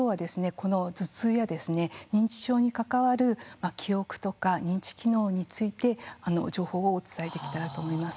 この頭痛や認知症に関わる記憶とか認知機能について情報をお伝えできたらと思います。